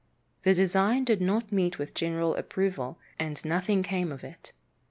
The design did not meet with general approval, and nothing came of it.